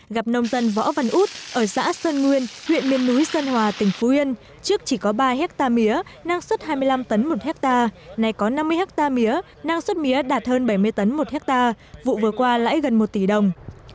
gặp nông dân võ văn út ở xã sơn nguyên huyện miền núi sơn hòa tỉnh phú yên trước chỉ có ba hectare mía năng suất hai mươi năm tấn một hectare này có năm mươi hectare mía năng suất mía đạt hơn bảy mươi tấn một hectare vụ vừa qua lãi gần một tỷ đồng